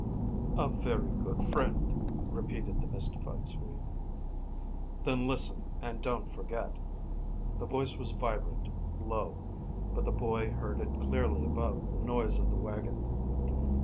"A very good friend," repeated the mystified Swede. "Then, listen, and don't forget." The voice was vibrant, low, but the boy heard it clearly above the noise of the wagon.